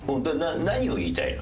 何を言いたいの？